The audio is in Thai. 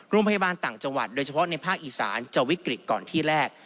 โรงพยาบาลต่างจังหวัดโดยเฉพาะในภาคอีสานจะวิกฤตก่อนที่แรก